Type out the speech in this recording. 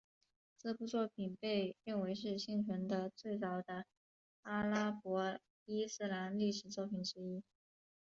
这部作品被认为是幸存的最早的阿拉伯伊斯兰历史作品之一。